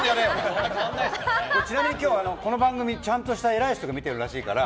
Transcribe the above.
ちなみに今日、この番組偉い人が見てるらしいから。